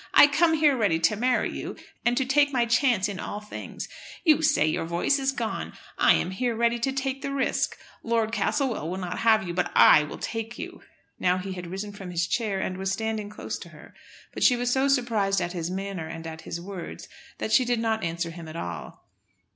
I come here ready to marry you, and to take my chance in all things. You say your voice is gone. I am here ready to take the risk. Lord Castlewell will not have you, but I will take you." Now he had risen from his chair, and was standing close to her; but she was so surprised at his manner and at his words that she did not answer him at all.